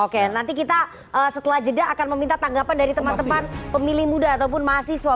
oke nanti kita setelah jeda akan meminta tanggapan dari teman teman pemilih muda ataupun mahasiswa